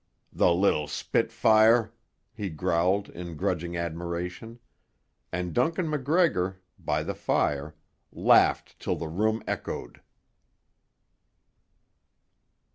"The little spitfire!" he growled in grudging admiration; and Duncan MacGregor, by the fire, laughed till the room echoed.